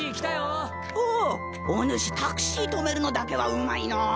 お主タクシー止めるのだけはうまいのう。